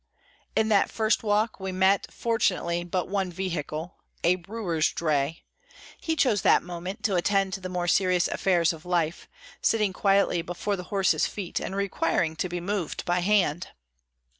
In that first walk, we met, fortunately, but one vehicle, a brewer's dray; he chose that moment to attend to the more serious affairs of life, sitting quietly before the horses' feet and requiring to be moved by hand.